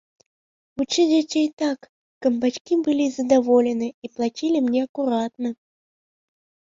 Вучы дзяцей так, каб бацькі былі задаволены і плацілі мне акуратна.